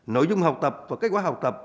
nội dung học tập và kết quả học tập